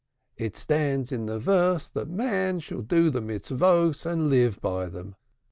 It stands in the Verse that man shall do the Mitzvahs and live by them.